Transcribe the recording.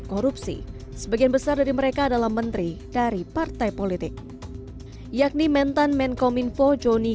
korupsi sebagian besar dari mereka adalah menteri dari partai politik yakni mentan menkominfo joni